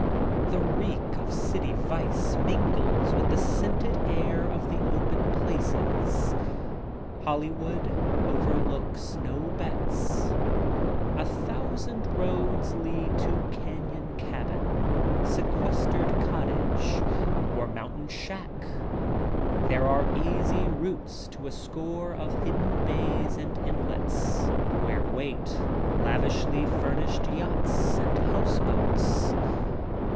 The reek of city vice mingles with the scented air of the open places — Hollywood overlooks no bets. A thousand roads lead to canyon cabin, sequest ered cottage or mountain shack. There are easy routes to a scofe of hidden bays and inlets where wait lavishly furnished yachts and house boats.